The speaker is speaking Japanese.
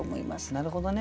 なるほどね。